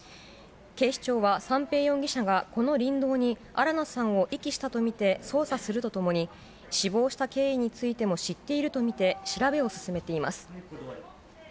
警視庁は三瓶容疑者がこの林道に新野さんを遺棄したと見て捜査するとともに、死亡した経緯についても知っていると見て、調べを進めています。